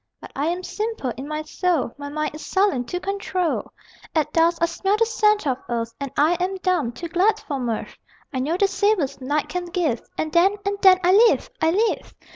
But I am simple in my soul; My mind is sullen to control. At dusk I smell the scent of earth, And I am dumb too glad for mirth. I know the savors night can give, And then, and then, I live, I live!